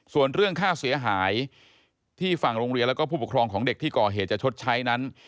ส่วนเรื่องค่าเสียหายที่ฝั่งโรงเรียนแล้วก็ผู้ปกครองของเด็กที่ก่อเหตุจะชดใช้นั้น